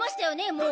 もう。